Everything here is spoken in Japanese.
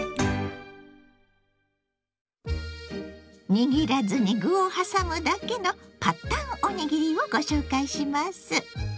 握らずに具を挟むだけの「パッタンおにぎり」をご紹介します。